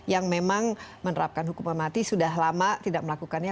yang memang menerapkan hukuman mati sudah lama tidak melakukannya